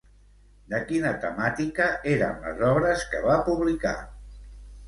De quina temàtica eren les obres que va publicar?